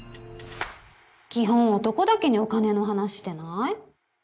基本男だけにお金の話してない？